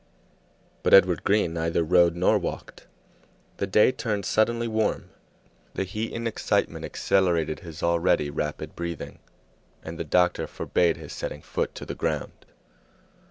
But Edward Green neither rode nor walked. The day turned suddenly warm, the heat and excitement accelerated his already rapid breathing, and the doctor forbade his setting foot to the ground.